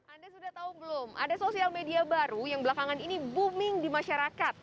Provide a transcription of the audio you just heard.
anda sudah tahu belum ada sosial media baru yang belakangan ini booming di masyarakat